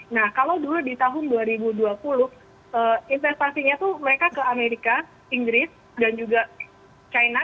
nah kalau dulu di tahun dua ribu dua puluh investasinya itu mereka ke amerika inggris dan juga china